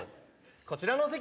こちらのお席。